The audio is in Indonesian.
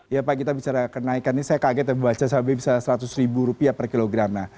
ya pak kita bicara kenaikan ini saya kaget ya membaca cabai bisa seratus ribu rupiah per kilogram